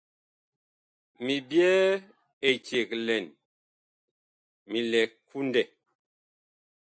Mi byɛɛ eceg lɛn, mi lɛ kundɛ.